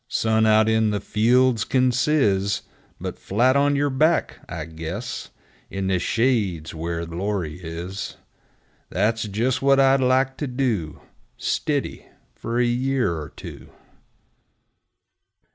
Sun out in the fields kin sizz, But flat on yer back, I guess, In the shade's where glory is! That's jes' what I'd like to do Stiddy fer a year er two!